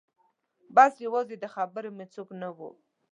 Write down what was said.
بس یوازې د خبرو مې څوک نه و